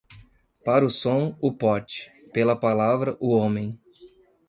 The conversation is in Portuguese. Para o som, o pote; pela palavra, o homem.